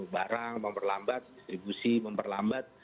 barang memperlambat distribusi memperlambat